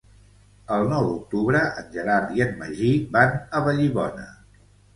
El nou d'octubre en Gerard i en Magí van a Vallibona.